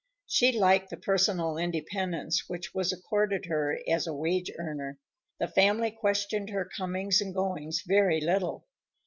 She liked the personal independence which was accorded her as a wage earner. The family questioned her comings and goings very little.